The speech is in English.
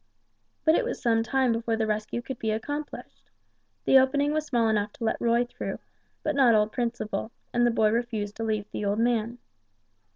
But it was some time before the rescue could be accomplished. The opening was small enough to let Roy through, but not old Principle, and the boy refused to leave the old man.